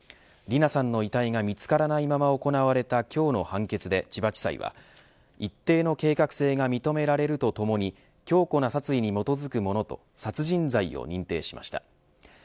理奈さんの遺体が見つからないまま行われた今日の判決で千葉地裁は、一定の計画性が認められるとともに強固な殺意に基づくものと殺人罪を認定しました。